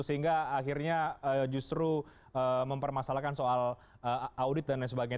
sehingga akhirnya justru mempermasalahkan soal audit dan lain sebagainya